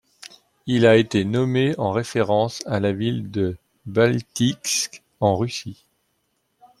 Il a été nommé en référence à la ville de Baltiisk en Russie.